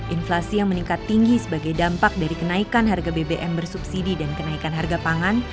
inflasi yang meningkat tinggi sebagai dampak dari kenaikan harga bbm bersubsidi dan kenaikan harga pangan